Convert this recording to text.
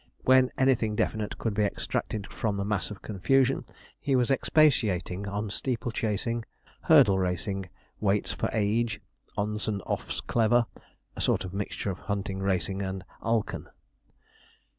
When anything definite could be extracted from the mass of confusion, he was expatiating on steeple chasing, hurdle racing, weights for age, ons and offs clever a sort of mixture of hunting, racing, and 'Alken.'